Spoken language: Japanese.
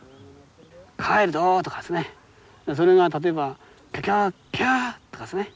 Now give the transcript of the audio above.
「帰るぞ！」とかですねそれが例えば「キャキャッキャッ！」とかですね。